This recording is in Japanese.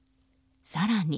更に。